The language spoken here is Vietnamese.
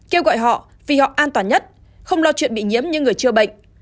kêu gọi họ vì họ an toàn nhất không lo chuyện bị nhiễm như người chưa bệnh